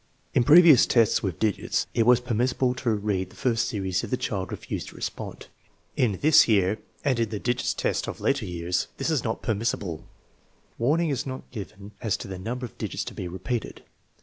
In previous tests with digits, it was permissible to re read the first series if the child refused to respond. In this year, and in the digits tests of later years, this is not 194 THE MEASUREMENT OF INTELLIGENCE permissible. Warning is not given as to the number of digits to be repeated.